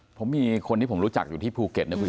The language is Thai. ผมมีคนที่ผมรู้จักอยู่ที่ภูเก็ตนะคุณ